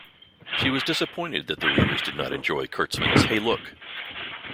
She was disappointed that readers did not enjoy Kurtzman's Hey Look!